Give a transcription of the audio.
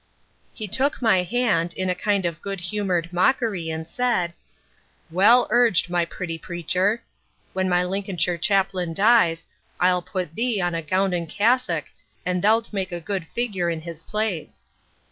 He took my hand, in a kind of good humoured mockery, and said, Well urged, my pretty preacher! When my Lincolnshire chaplain dies, I'll put thee on a gown and cassock, and thou'lt make a good figure in his place.